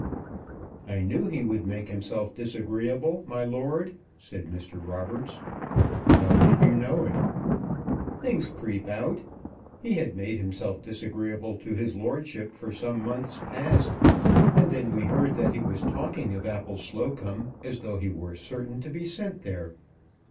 "I knew he would make himself disagreeable, my lord," said Mr. Roberts. "How did you know it?" "Things creep out. He had made himself disagreeable to his lordship for some months past; and then we heard that he was talking of Appleslocombe as though he were certain to be sent there."